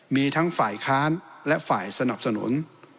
มีทั้งฝ่ายค้านและฝ่ายสนับสนุน